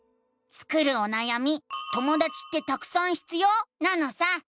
スクるおなやみ「ともだちってたくさん必要？」なのさ！